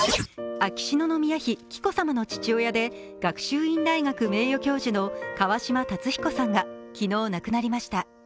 秋篠宮妃・紀子さまの父親で学習院大学名誉教授の川嶋辰彦さんが昨日亡くなりました。